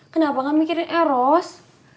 kenapa gak mikirin eros